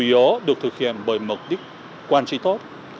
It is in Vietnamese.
là được thực hiện bởi mục đích quan trị tốt